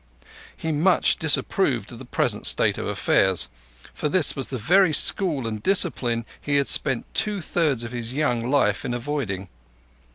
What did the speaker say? He much disapproved of the present aspect of affairs, for this was the very school and discipline he had spent two thirds of his young life in avoiding.